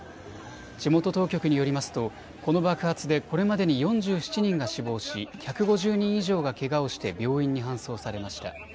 地元当局によりますとこの爆発でこれまでに４７人が死亡し１５０人以上がけがをして病院に搬送されました。